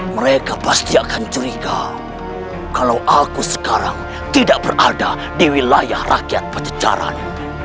mereka pasti akan curiga kalau aku sekarang tidak berada di wilayah rakyat pacecaran